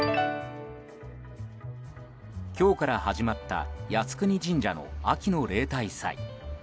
今日から始まった靖国神社の秋の例大祭。